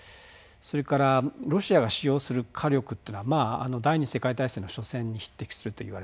それからロシアが使用する火力っていうのは第２次世界大戦の緒戦に匹敵するといわれています。